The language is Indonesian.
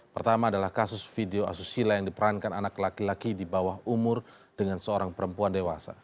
pertama adalah kasus video asusila yang diperankan anak laki laki di bawah umur dengan seorang perempuan dewasa